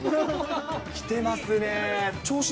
きてますね。